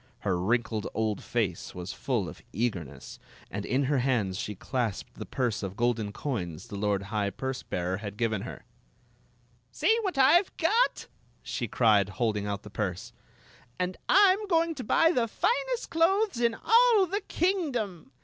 Her wrinkled old face was full of eagerness, and in her hands she . clasped the purse of golden coins the lord high purse bearer had given her. "See what I Ve got!" she cried, holding out the purse. " And I 'm going to buy the finest clothes in Story of the Magic Clo ak 83 4 all the kingdom